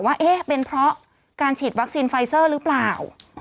ว่าเอ๊ะเป็นเพราะการฉีดวัคซีนไฟเซอร์หรือเปล่า